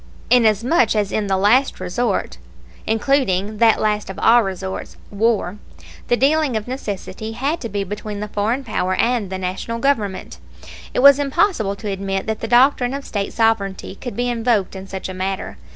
Inasmuch as in the last resort, including that last of all resorts, war, the dealing of necessity had to be between the foreign power and the National Government, it was impossible to admit that the doctrine of State sovereignty could be invoked in such a matter.